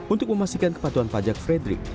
untuk memastikan kepatuhan pajak frederick